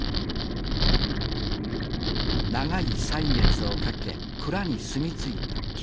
長い歳月をかけ蔵に住み着いた菌。